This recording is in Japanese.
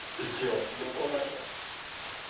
俺も怖くなってきた。